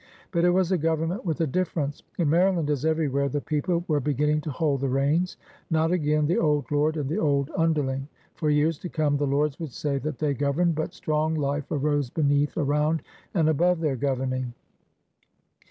But it was a government with a difference. In Maryland, as everywhere, the people were be ginning to hold the reins. Not again the old lord and the old underling! For years to come the lords would say that they governed, but strong life arose beneath, around, and above their governing.